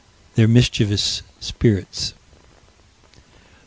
They're mischievous spirits.